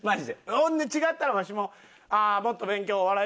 ほんで違ったらわしもああもっと勉強お笑い